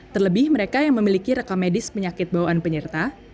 terlebih mereka yang memiliki reka medis penyakit bawaan penyerta